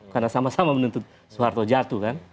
karena sama sama menentuk soeharto jatuh kan